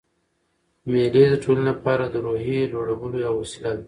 مېلې د ټولنې له پاره د روحیې لوړولو یوه وسیله ده.